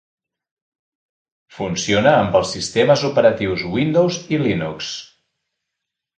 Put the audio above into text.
Funciona amb els sistemes operatius Windows i Linux.